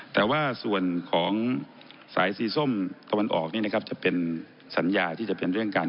แต่ว่าส่วนของสายสีส้มตะวันออกนี่นะครับจะเป็นสัญญาที่จะเป็นเรื่องการ